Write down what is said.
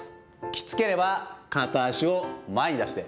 きつければ片足を前に出して。